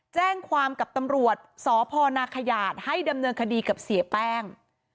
แจ้งความกับตำรวจสพนขยาดให้ดำเนินคดีกับเสียแป้ง